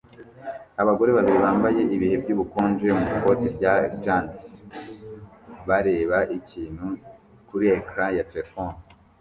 Abagore babiri bambaye ibihe by'ubukonje mu ikoti na gants bareba ikintu kuri ecran ya terefone